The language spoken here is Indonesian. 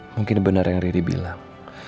mungkin benar yang riri bilang